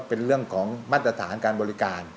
เป็นเรื่องของมาตรฐานการบริการ